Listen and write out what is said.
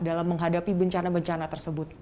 dalam menghadapi bencana bencana tersebut